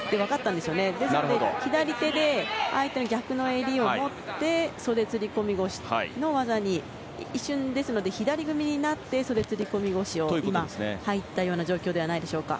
ですので、左手で相手の逆の襟を持って袖釣り込み腰の技に左組みになって袖釣り込み腰に今、入ったような状況ではないでしょうか。